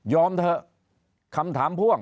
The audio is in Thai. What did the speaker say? แย่งเลยคำถามห่วง